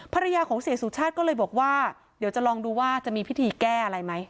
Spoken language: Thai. ภรรยาของเสียสุชาติก็เลยบอกว่าเดี๋ยวจะลองดูว่าจะมีพิธีแก้อะไรไหม